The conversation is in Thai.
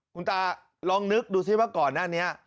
คุณตาลองนึกดูซิว่าก่อนหน้านี้